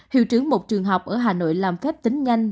hiệu trưởng một trường học ở hà nội làm phép tính nhanh